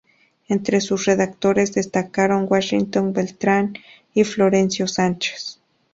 Entre sus redactores destacaron Washington Beltrán y Florencio Sánchez.